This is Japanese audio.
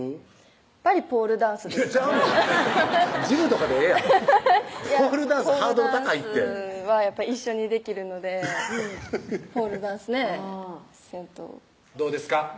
やっぱりポールダンスですかねちゃうねんジムとかでええやんアハハハッポールダンスハードル高いってポールダンスは一緒にできるのでポールダンスねせんとどうですか？